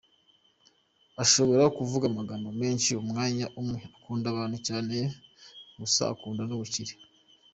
Ashobora kuvuga amagambo menshi umwanya umwe, akunda abantu cyane gusa akunda n’ubukire.